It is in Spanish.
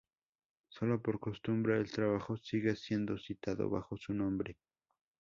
Solo por costumbre el trabajo sigue siendo citado bajo su nombre.